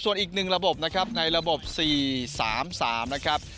ส่วนอีกหนึ่งระบบนะครับในระบบสี่สามสามนะครับ